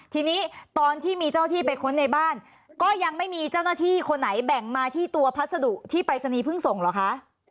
ทีนี้ตอนที่มีเจ้าที่ไปค้นในบ้านก็ยังไม่มีเจ้าหน้าที่คนไหนแบ่งมาที่ตัวพัสดุที่ปรายศนีย์เพิ่งส่งเหรอคะ